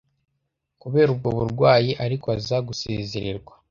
kubera ubwo burwayi ariko aza gusezererwa